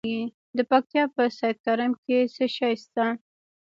د پکتیا په سید کرم کې څه شی شته؟